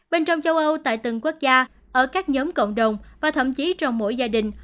bên trong châu âu tại từng quốc gia ở các nhóm cộng đồng và thậm chí trong mỗi gia đình